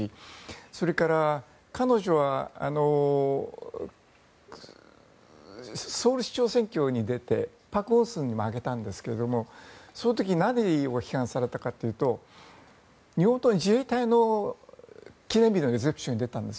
それから彼女はソウル市長選挙に出てパク・ウォンスンに負けたんですがその時に何を批判されたかというと自衛隊の記念日のレセプションに出たんです。